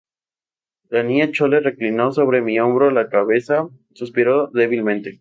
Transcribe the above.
la Niña Chole reclinó sobre mi hombro la cabeza, suspiró débilmente